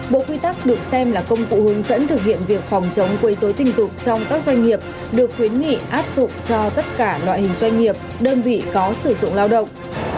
bộ quy tắc được xem là công cụ hướng dẫn thực hiện việc phòng chống quây dối tình dục trong các doanh nghiệp được khuyến nghị áp dụng cho tất cả loại hình doanh nghiệp đơn vị có sử dụng lao động